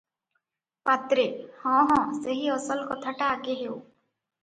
ପାତ୍ରେ- ହଁ ହଁ, ସେହି ଅସଲ କଥାଟା ଆଗେ ହେଉ ।